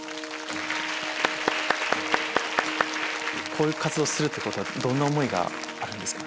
こういう活動するってことはどんな思いがあるんですか？